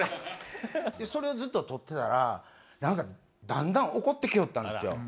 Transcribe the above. それをずっと撮ってたら何かだんだん怒って来よったんですよ。